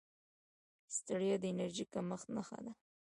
ستړیا د انرژۍ کمښت نښه ده